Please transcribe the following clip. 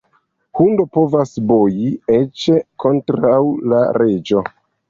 Hundo povas boji eĉ kontraŭ la reĝo.